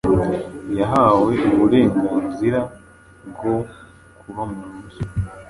yahawe uburenganzira bwo kuba mu nzu